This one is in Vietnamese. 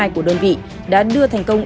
của đơn vị đã đưa thành công